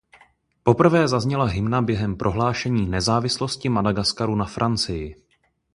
Poprvé zazněla hymna během prohlášení nezávislosti Madagaskaru na Francii.